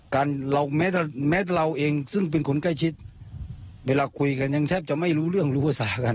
กันเราแม้เราเองซึ่งเป็นคนใกล้ชิดเวลาคุยกันยังแทบจะไม่รู้เรื่องรู้ภาษากัน